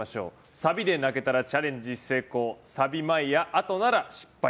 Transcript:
サビで泣けたらチャレンジ成功サビ前や、あとなら失敗。